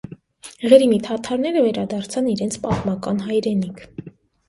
Ղրիմի թաթարները վերադարձան իրենց պատմական հայրենիք։